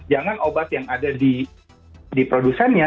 jangan obat yang ada di produsennya